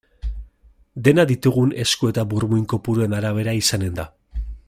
Dena ditugun esku eta burmuin kopuruen arabera izanen da.